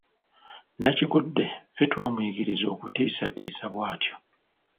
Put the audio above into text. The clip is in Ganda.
Nnakigudde ffe twamuyigiriza okutiisatiisa bw’atyo.